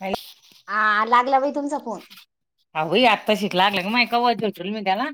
हाईत. हा लागला भाई तुमचा फोन. अहई आत्ता शिकला लागला ग माय का वात घेच मी त्याला.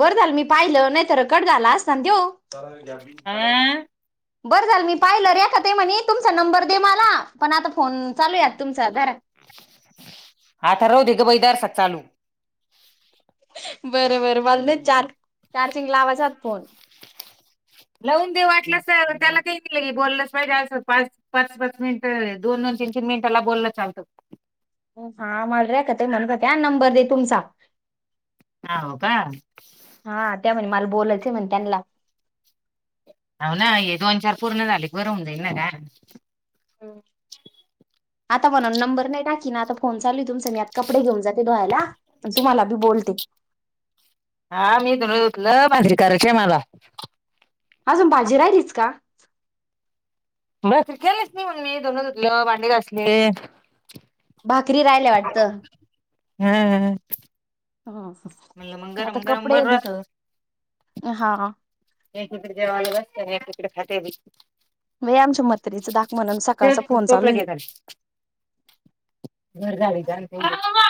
बरं झालं मी पाहिलं नाहीतर क झाला असता देव. अ बरं झालं मी पाहिलं रेखाताई म्हणे तुमचा नंबर दे मला पण आता फोन चालूयात तुमचा घर. हा तर रह बईदारात लू. बर बर वाल नाही चार् चार्जिंग लावायचा फोन. लावून दे वाटलंस त्याला काही. लगे बोललंच पाहिजे अस पाच पाच पाच मिनिट दोन दोन तीन तीन मिनिटाला बोललं चालतं. हा मला रेखाताई म्हणत होत्या नंबर दे तुमचा. हव का. हा त्या म्हणे मला बोलायचं म्हण त्यांना. हो ना हे दोन चार पूर्ण झाले बरं होऊ जाईल ना का. ह आता म्हणून नंबर नाही टाकी ना आता फोन चालू तुमचा. तर मी आत कपडे घेऊन जाते धोवायला पण तुम्हाला बी बोलते. हा मी धुणं धुतलं भाकरी करायची हाय मल. अजून भाजी राहिलीच का. भाकरी केलेत म्हणून मी धुणं धुतलं भांडी घासलेत. भाकरी रायला वाटत. हा म्हणलं मग आता गरम गरम कपडे बरं दस राहतं हा. एकीकडे जेव्हाला बसते एकीकडे खटे बी. बाई आमच्या मत्रीचा दाक म्हणून चल सकाळचा फोन टोपला चालू घे येईल. खाली. घर झााडी द [inaudible]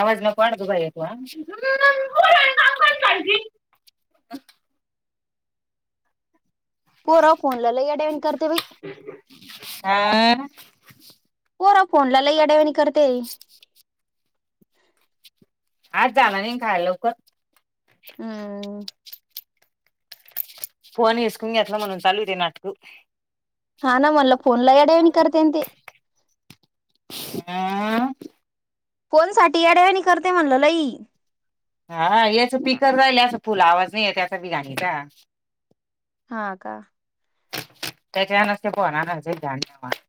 आवाज नको वाटतयं बई कोण [unintelligible] पोरा फोनला लई येड्यावाणी करते बाई. हा, पोरा फोनला येड्यावनी [inaudible] आजे जाणाराय काय लवकर. हम्म. फोन येसकावून घेतला म्हणून चालू दे नाटक हा ना मणला फोनला येड्यावणी करतेन ते. [inaudible] फोन साठी येड्यावाणी करते म्हणल लई. हा याच पिकर राहिल अस फुल आवाज नाही आहे त्याचा बिराणीचा. हा का? त्याच्या नंतर फोन आणायच [unintelligible]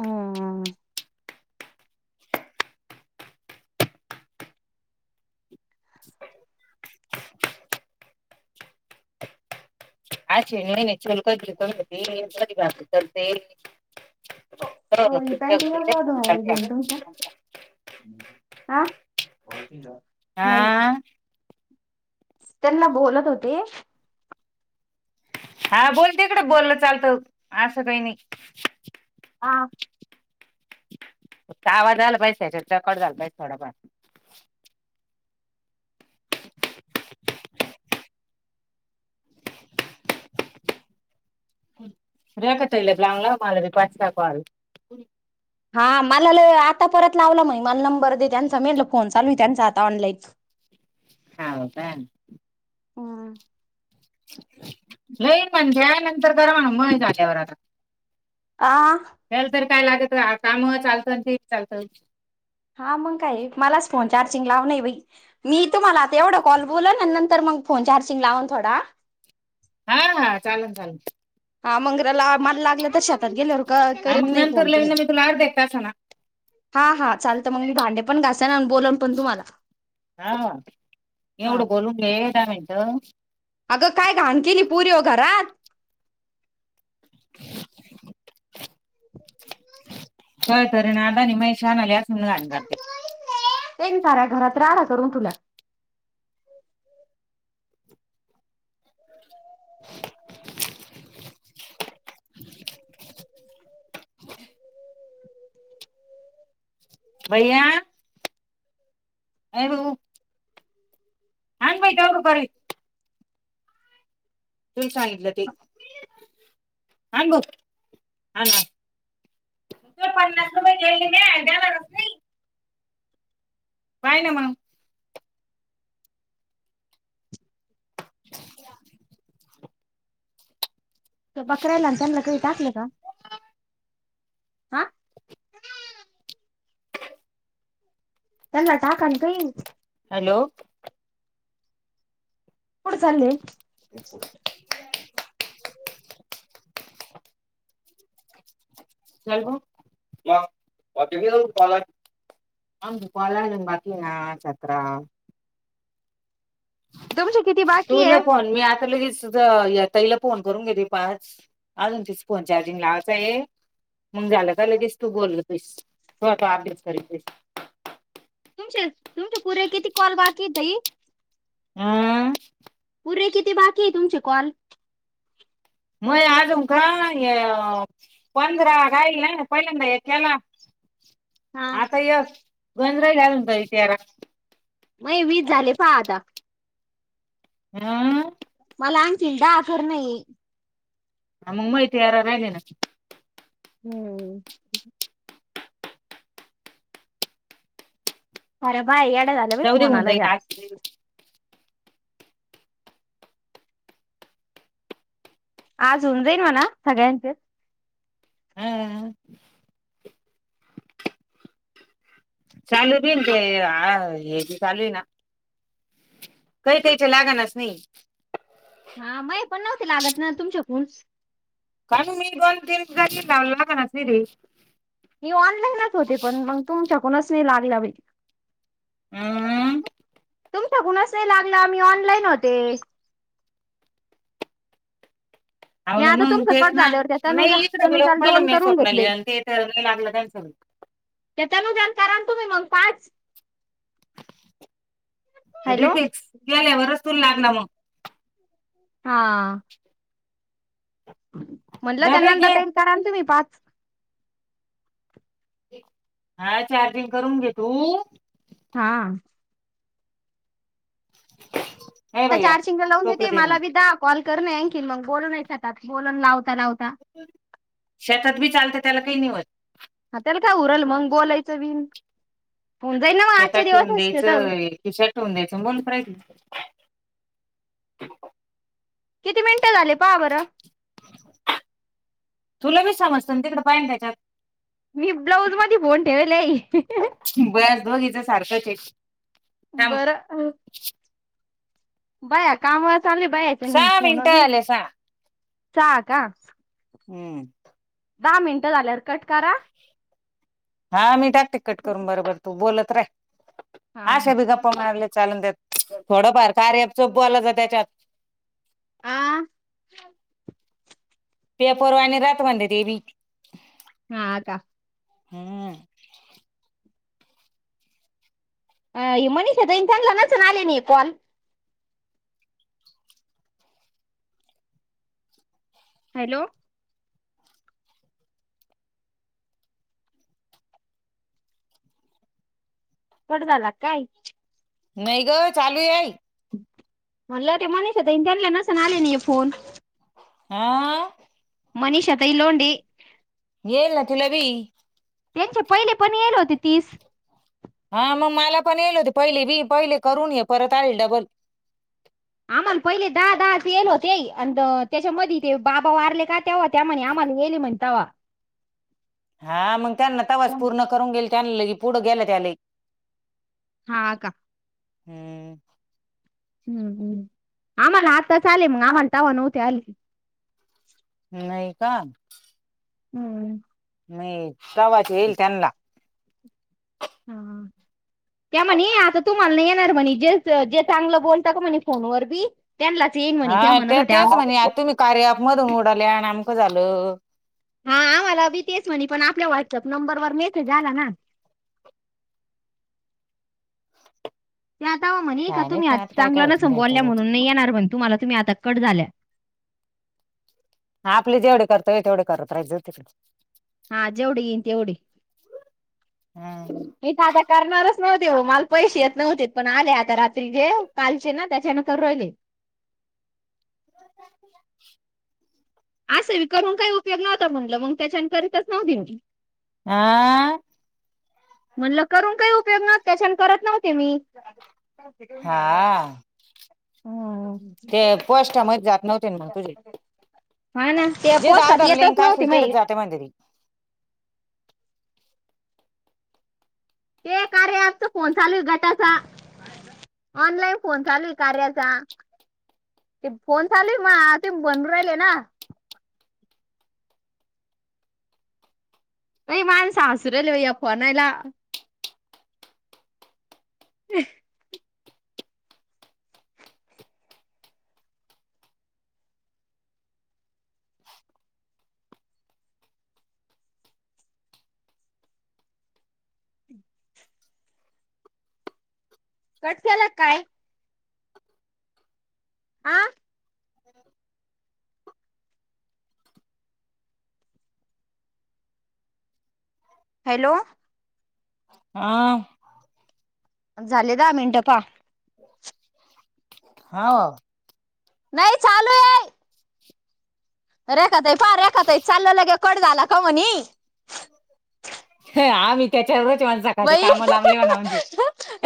हम्म. [inaudible] आ्छ नाहीय नाही चल क कमी होती सरी बाात चलते. हो ही पॅन्टी बघा [unintelligible] आ? [unintelligible] नाही. हा त्यांना बोलत होते. हा बोल तिकडं बोललं चालतं असं काही नाही. हा. फक्त आवाज आला पाहिजे त्याच्यात रेकॉर्ड झालं पाहिजे थोडफार. रेखा ताईला चांगला मला द्या पाच सहा कॉल. हा मला लई आता परत लावला मई मला नंबर दे त्यांचा मी म्हणलं फोन चालू आहे त्यांचा आता ऑनलाईक. हाव काय? हम्म लई पण घ्या नंतर करा म्हणा मय झाल्यावर आता. आ? हेला तर काय लागत आता म चालतं ते बो चालतं. हा मग काय मलाच फोन चार्जिंग लाव नाही बाई मी तुम्हाला आता एवढा कॉल बोलन आणि नंतर मग फोन चार्जिंग लावून थोडा हा चालन -चालन. हा मंगराला मला लागलं तर शेतात गेल्यावर क हा करत मग नाही नंतर फोन लई तुम्ही. ना मी तुला अर्ध्या एक तासाना हा -हा चालत मग मी भांडे पण घासन अन् बोलन पण तुम्हाला. हा हा एवढं बोलून घे धा मिनटं. अगं काय घाण केली पुरी ओ घरात. [inaudible] का तरी नादाने महे शानाल्या अस मंग अंगाते तीन तारा घरात राडा करून ठेवला. भैया ए भाऊ आनबाई तेवढ परीत तुम्ही सांगितलं ते आण भऊ आण आण. तुझ पन्नास रुपये घेयली म्या अन द्यायला रात नई. बाय ना मग [inaudible] बकऱ्यालां त्यांना कायं टाकलं कां त्यांना टाकां नां बंईन हॅलो कुंठे चालले [inaudible] [unintelligible] हॅलो मांज देऊं कां बाजांर बाकी नां संतरा तुमचे किती बाकी ठूनं आहे फोन मी आंता लगेच ताईला फोन करूंन घेते पांच अजूंन तिचं फोन चार्जिंग लावचंय आहे मंग झालं कां लगेच तूं बोललं तीस तूं तो अभ्यांस करीस घे तुंमचे -तुंमचे पुरे किती कॉल बाकी आहेतं ओ ताई हम्मं पुरे किती बाकी आहे तुमचे कॉल मंये आजुंन कायं हे अं पंधरा कांहीं पहिल्यांदा एक केलां हा आंता एक गणं राहिले बाई अजूंन तेरां मंये वीस झाले पहां आतां रं मलां आणखीन दहा करंण आहे हं बाई मंग माहित तेरा राहिलं नां हम्मं साऱ्या बायां येडयां झालं बाई जाऊ दे फोना होऊन ले जाईन यां आज आंज होऊन जाईन म्हणां सगळ्यांचे हम्मं चालूं बी ते अं हेंच चालूं आहे नां कांहीं कांहींचे लागणांरच नाहीं हां मये पणं नव्हती लागतं नां तुमच्यांकूंण बालूं मी दोन तीन जशी लावण्यां लागतं नां सिरी मी ऑनलाईनच होते पणं मंग तुमच्यां फोनचं नाही लागलां बाई अ तुमच्यां फोन चं नाहीं लागलां मी ऑनलाईन होते हो मी ना आंता म्हणून तुमच्या तेच फोन ना झाल्यांवर नाही त्यांतनुजा इकडे बी लावून त्यांतनुजालां दोन पाहिलं फोन मी करूंन स्वप्नाली घेतले आणि ते तर नाही लागलं त्यांचं त्यांतनुजाले करांण मंग तुम्हीं पांच हॅलो रिफे्स केल्यांवरचं तुले लागलां मंग हां [unintelligible] म्हटलं त्यां बरे नंदा घे ताईन लां करांन तुम्हीं पांच हां चार्जिंग करूंन घे तूं हां हे तरं भैया चार्चिंगला लावूंन देते टोपलं दे ना मलां मग बी दहा कॉल करूंन आणखि मंग बोलूंनये शकतं बोलूंन लावतां लावतां शेतात बी चालतं त्यांला कांहीं नाहीं होतं हं त्यांला कायं उरलं मंग बोलायचं विण होऊन जाई नां मंग आजच्यां दिवसं असते तरं की शर्टवूंन द्यायचं बरांय किती मिनिटं झाले पहा बरं तुले बी समजतं नां तिकडं पायन त्यांच्यात मी ब्लाऊंज मध्यें फोन ठेवल आहे ब्यास बघीचं सारखं बरं बाया काम व चालली बाई सहा मिनटं झाले सहा का हम्म दहा मिनटं झाल्या कट करा हा मी टाक टिकिकट करून बरोबर तू बोलत रे हा शेभीगा मारले चालून त्यात थोडंफार कार्याप स आला त्याच्यात आं पेपरवा आणि रत बन तेवी हा आता हम् अ ह मनीषा दन चांगला नच आले नाही कॉल हॅलो ड झाला काय नाही ग चालू आहेई म्हणलं ते मनीष होता त्यांला नसन आले नाही फोन आ मनीष आता इ लोंडे येल ना तिला बी त्यांचे पहिले पण येल होते तीस हा मग मला पण येल होते पहिले बी पहिले करून ये परत आलेल डबल आम्हाला पहिले दहा दहाच गल होते अंत त्याच्यामध्येध ते बाबा वारले का तेव्हा त्यामा आम्हाला येले म्हण तवा हा मग त्यांना तवास पूर्ण करून गेल त्यां ल पुढं गेलं त्याला हा का हम् हम् हम्म आम्हाला आातता आले मग आम्हाला तवा नव्हते आली नाही का हम्म मी प्रवाच येईल त्यांना हा. त्या म्हणे आता तुम्हाला नाही येणार म्हणे जे जे चांगलं बोलत का म्हणे फोनवर बी त्यांलाच येंग म्ह त्या म न त्या कार्या मधून उडाले आणि आमकं झालं हा आम्हाला बी तेच म्हणे पण आपल्या व्हॉट्सअप नंबर वर मेसेज आला ना ते आतावा म्हणे का काय माहित तुम्ही आ मग आता काय काय चांगलं न होतं आणि काय काय संबोवल्या जात म्हणून नाही येणार म्हण तुम्हाला तुम्ही आता कट झाल्या आपले जेवढे करतोय तेवढे करत राहाजो तिकडे हा जेवढी येईन तेवढी तिकडे इथ आता करणारच नव्हते हो मला पैसे येत नव्हते पण आले आता रात्री जे कालचे ना त्याच्यानंतर रोहिले असे करून काही उपयोग नव्हता म्हटलं मग त्याच्या करीतच नव्ह दिनी आ म्हणलं करून काही उपयोग नव्हत त्याच्यान करत नव्हते मी. हा हम्. ते पोस्टा मध्ये जात नव्हते ना मग तुझे हाय ना ते जिथं पोस्टात आधार येतच लिंक असेल नव्हते माई [unintelligible] ते कार्य ॲपचा फोन चालू आहे गटाचा. ऑनलाईन फोन चालूय कार्याचा. ते फोन चालूय मा ते बनू राहिले ना? नाही माया सासुराले भय् फोन आयला. [inaudible] कट केला काय? आं? हॅलो! हा झाले दहा मिनटं पाहा. हाव? नाही चालू आहे. रेखाताई पाह रेखाताई चाललय लगेच कट झाला का म्हनी. हे आम्ही त्याच्या रोज माणसा खायच्या बाई काम लांबले म्हणा म्हजे.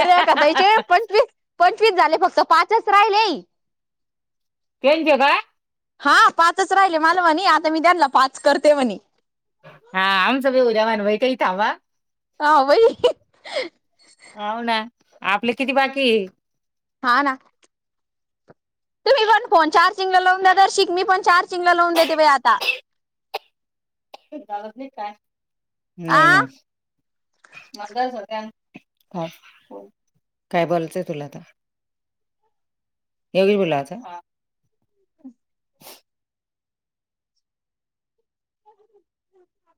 रेखाताईचे पंचवीस पंचवीस झाले फक्त. पाचच राहिले. तेनचे काय? हा पाचच राहिले मला म्हणे आता मी त्यानला पाच करते म्हणी. हा आमच बी उद्या व्हान व्हयती थांबा. हा भाई हाव ना आपले किती बाकीय? हा ना. तुम्ही पण फोन चारचिंग लावून दे तर शिक मी पण चारचिंगला लावून देते बा आता. हे काढत नाही क काय? नाही आ ना. म अता काय सध्या? काय? काय बोलचंय तुला आता. हे बी बोलाचं. हा.